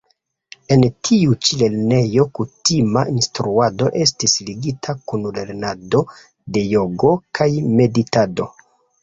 En tiu ĉi lernejo kutima instruado estis ligita kun lernado de jogo kaj meditado.